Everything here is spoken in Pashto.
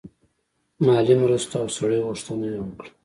مالي مرستو او سړیو غوښتنه وکړه.